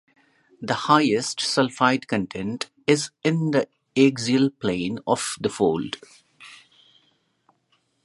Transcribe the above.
The highest sulfide content is in the axial plane of the fold.